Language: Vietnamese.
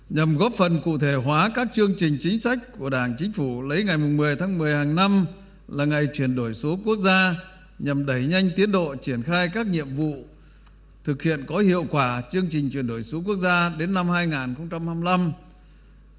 nhằm góp phần cụ thể hóa các chương trình chính sách của đảng chính phủ lấy được ngày một mươi tháng một mươi hàng năm là ngày chuyển đổi số quốc gia nhằm đẩy nhanh tiến độ triển khai các nhiệm vụ thực hiện có hiệu quả chương trình chuyển đổi số quốc gia đến năm hai nghìn hai mươi năm hotline hai trăm một mươi năm hai nghìn năm mươi